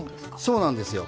そうなんですよ。